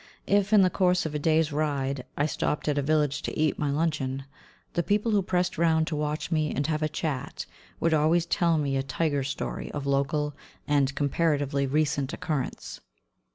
If, in the course of a day's ride, I stopped at a village to eat my luncheon, the people who pressed round to watch me and have a chat would always tell me a tiger story of local and comparatively recent occurrence.